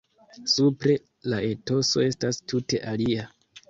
Supre la etoso estas tute alia.